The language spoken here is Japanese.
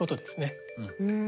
うん。